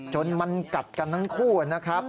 จนมันกัดกันทั้งคู่นะครับ